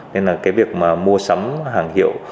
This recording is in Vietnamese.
nên là cái việc mà mua sắm hàng hiệu